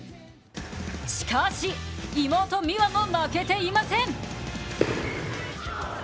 しかし、妹・美和も負けていません。